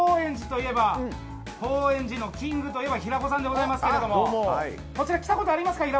高円寺のキングといえば平子さんでございますけれどもこちら来たことありますか？